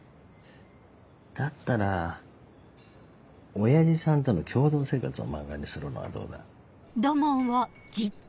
だったら親父さんとの共同生活を漫画にするのはどうだ？